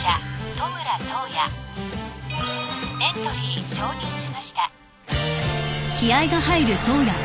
トムラ颯也エントリー承認しました。